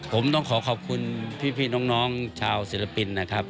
ผมต้องขอขอบคุณพี่น้องชาวศิลปินนะครับ